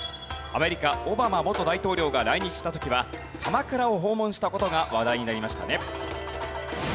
アメリカオバマ元大統領が来日した時は鎌倉を訪問した事が話題になりましたね。